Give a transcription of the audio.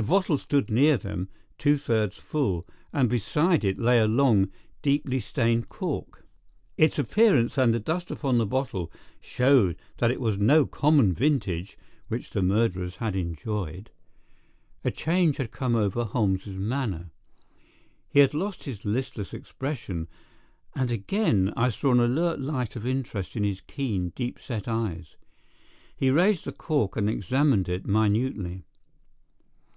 The bottle stood near them, two thirds full, and beside it lay a long, deeply stained cork. Its appearance and the dust upon the bottle showed that it was no common vintage which the murderers had enjoyed. A change had come over Holmes's manner. He had lost his listless expression, and again I saw an alert light of interest in his keen, deep set eyes. He raised the cork and examined it minutely.